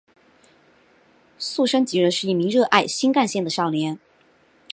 速杉隼人是一名热爱新干线的少年。